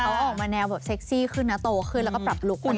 เขาออกมาแนวแบบเซ็กซี่ขึ้นนะโตขึ้นแล้วก็ปรับลุคขึ้น